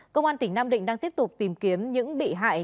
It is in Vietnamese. công an tỉnh nam định đang tiếp tục tìm kiếm những bị hại